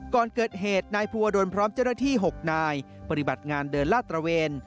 ก่อนเกิดเหตุนายภูวดลพร้อมเจ้าหน้าที่๖นายปฏิบัติงานเดินลาดตระเวน